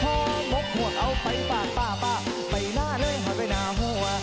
ห้ามกหัวกเอาไปป่าป่าป่าไปหน้าเลยห้าไปหน้าหัว